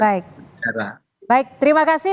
baik terima kasih